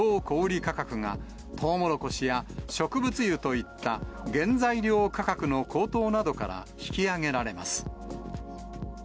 小売り価格が、とうもろこしや植物油といった、原材料価格の高騰などから引き上げられます。